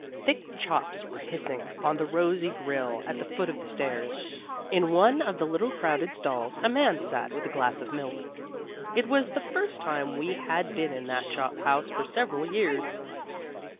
Thick chops were hissing on the rosy grill at the foot of the stairs. In one of the little crowded stalls a man sat with a glass of milk. It was the first time we had been in that chop house for several years